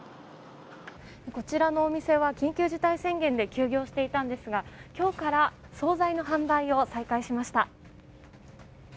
こちらのお店は緊急事態宣言で休業していたんですが今日から総菜の販売を再開しました。